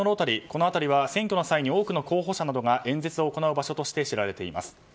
この辺りは選挙の際に多くの候補者などが演説をする場所として知られています。